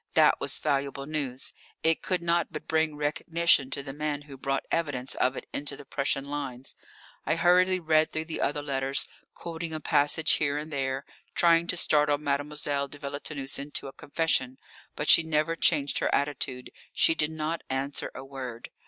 That was valuable news it could not but bring recognition to the man who brought evidence of it into the Prussian lines. I hurriedly read through the other letters, quoting a passage here and there, trying to startle Mademoiselle de Villetaneuse into a confession. But she never changed her attitude, she did not answer a word.